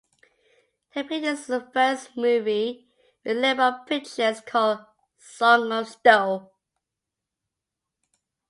He appeared in his first movie with Lebran Pictures, called Song of Sto.